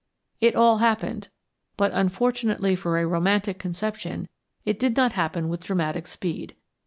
It all happened, but unfortunately for a romantic conception, it did not happen with dramatic speed.